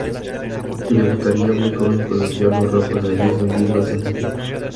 Debutaría muy joven con los diablos rojos allí es vendido al Santa Fe.